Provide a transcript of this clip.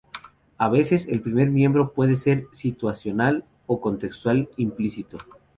A veces, el primer miembro puede ser situacional o contextual, implícito.